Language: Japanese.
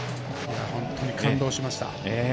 本当に感動しました。